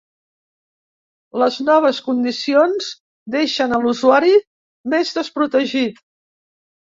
Les noves condicions deixen a l'usuari més desprotegit